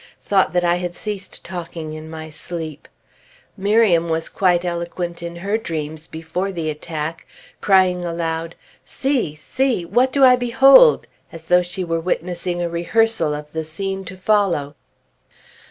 Thought that I had ceased talking in my sleep. Miriam was quite eloquent in her dreams before the attack, crying aloud, "See! See! What do I behold?" as though she were witnessing a rehearsal of the scene to follow.